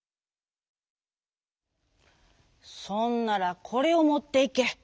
「そんならこれをもっていけ。